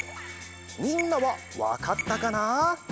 みんなはわかったかな？